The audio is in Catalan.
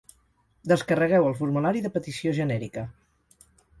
Descarregueu el formulari de petició genèrica.